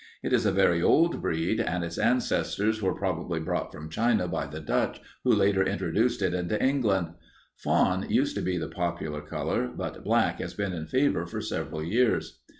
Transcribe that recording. It is a very old breed and its ancestors were probably brought from China by the Dutch who later introduced it into England. Fawn used to be the popular color, but black has been in favor for several years.